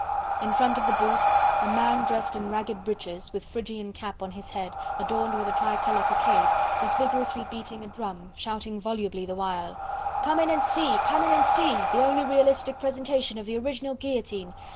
In front of the booth a man dressed in ragged breeches, with Phrygian cap on his head, adorned with a tri colour cockade, was vigorously beating a drum, shouting volubly the while: "Come in and see, come in and see! the only realistic presentation of the original guillotine.